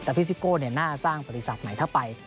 แต่พี่ซิโก้น่าสร้างบริษัทไหนถ้าไป